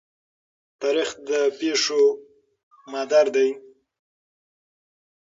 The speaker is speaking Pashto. تاریخ د پېښو مادر دی.